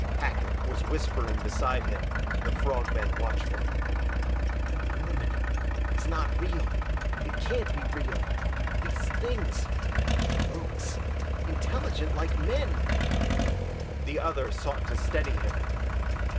Hackett was whispering beside him, the frog men watchful. "Norman, it's not real it can't be real! These things these boats intelligent like men " The other sought to steady him.